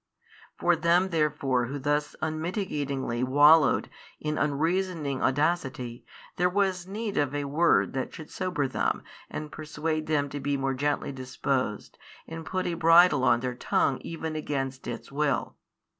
For them therefore who thus unmitigatedly wallowed in unreasoning audacity there was need of a word that should sober them and persuade them to be more gently disposed and put a bridle on their tongue even against its will.